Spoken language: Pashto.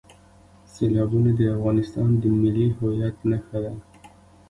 سیلابونه د افغانستان د ملي هویت نښه ده.